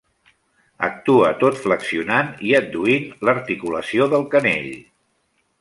Actua tot flexionant i adduint l'articulació del canell.